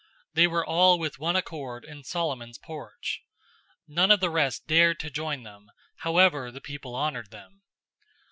They were all with one accord in Solomon's porch. 005:013 None of the rest dared to join them, however the people honored them.